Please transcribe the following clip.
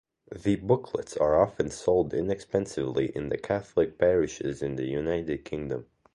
The booklets are often sold inexpensively in Catholic parishes in the United Kingdom.